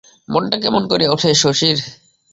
মনটা কেমন করিয়া ওঠে শশীর।